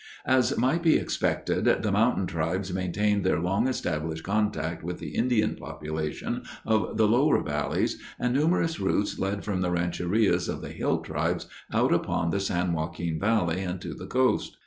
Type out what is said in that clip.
As might be expected, the mountain tribes maintained their long established contact with the Indian population of the lower valleys, and numerous routes led from the rancherias of the hill tribes out upon the San Joaquin Valley and to the coast.